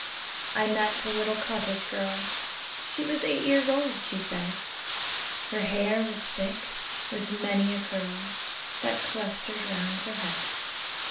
I met a little cottage girl: She was eight years old, she said; Her hair was thick with many a curl That clustered round her head.